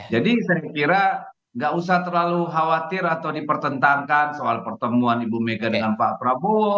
jadi saya kira gak usah terlalu khawatir atau dipertentangkan soal pertemuan ibu mega dengan pak prabowo